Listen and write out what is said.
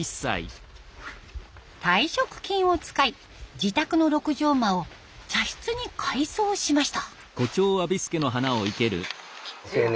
退職金を使い自宅の６畳間を茶室に改装しました。